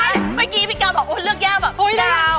ใช่เมื่อกี้พี่กาวบอกโอ๊ยเลือกแย่วแบบ